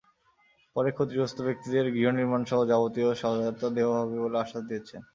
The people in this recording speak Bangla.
পরে ক্ষতিগ্রস্ত ব্যক্তিদের গৃহনির্মাণসহ যাবতীয় সহায়তা দেওয়া হবে বলে আশ্বাস দিয়েছেন।